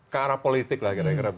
ke arah politik lah